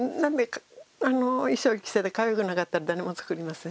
衣装着せてかわいくなかったら誰も作りません。